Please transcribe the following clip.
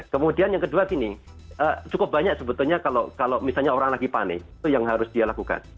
kemudian yang kedua gini cukup banyak sebetulnya kalau misalnya orang lagi panik itu yang harus dia lakukan